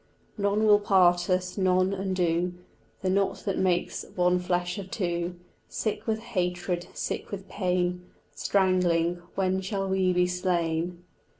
None will part us, none undo The knot that makes one flesh of two, Sick with hatred, sick with pain, Strangling When shall we be slain?